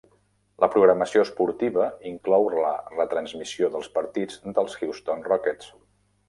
La programació esportiva inclou la retransmissió dels partits dels Houston Rockets.